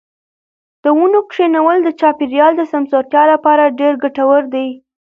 د ونو کښېنول د چاپیریال د سمسورتیا لپاره ډېر ګټور دي.